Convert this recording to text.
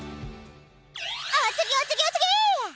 お次お次お次！